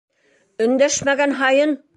Өндәшмәгән һайын!..